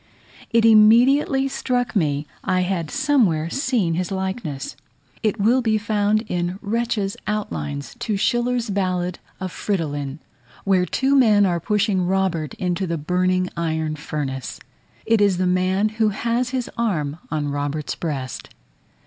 It immediately struck me I had somewhere seen his likeness: it will be found in Retzch's outlines to Schiller's ballad of Fridolin, where two men are pushing Robert into the burning iron furnace. It is the man who has his arm on Robert's breast.